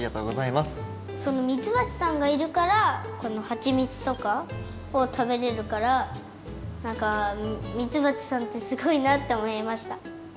そのみつばちさんがいるからこのはちみつとかをたべれるからなんかみつばちさんってすごいなっておもいました。